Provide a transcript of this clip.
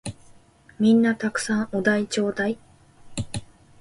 皆んな沢山お題ちょーだい！